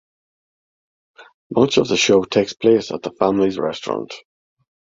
Much of the show takes place at the family's restaurant.